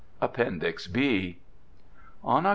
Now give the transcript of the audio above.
Appendix B On Oct.